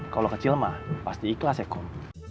kalau kecil mah pasti ikhlas ya kom